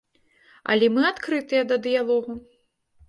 Але мы адкрытыя да дыялогу.